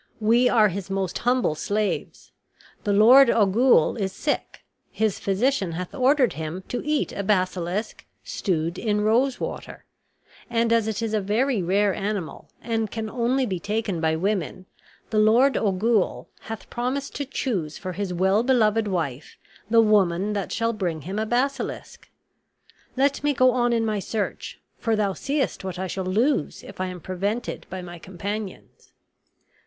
We are his most humble slaves. The lord Ogul is sick. His physician hath ordered him to eat a basilisk, stewed in rose water; and as it is a very rare animal, and can only be taken by women, the lord Ogul hath promised to choose for his well beloved wife the woman that shall bring him a basilisk; let me go on in my search; for thou seest what I shall lose if I am prevented by my companions."